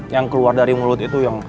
yang keluar dari mulut itu yang